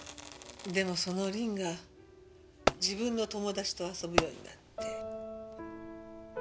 でもそのりんが自分の友達と遊ぶようになって。